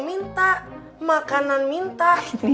minta makanan minta